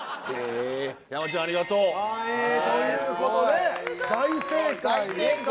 山ちゃんありがとう！という事で大正解。